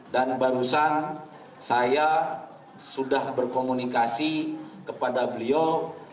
dan barusan saya sudah berkomunikasi kepada beliau